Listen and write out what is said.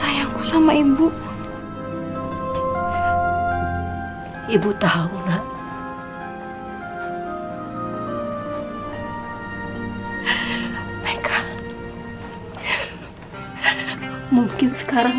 tapi kamu melebihi anak kandung ibu nak